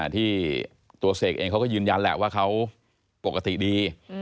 ที่ตัวเสกเองเขาก็ยืนยันแหละว่าเขาปกติดี